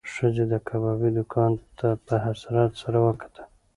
ښځې د کبابي دوکان ته په حسرت سره وکتل.